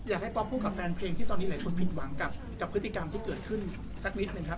ป๊อปพูดกับแฟนเพลงที่ตอนนี้หลายคนผิดหวังกับพฤติกรรมที่เกิดขึ้นสักนิดหนึ่งครับ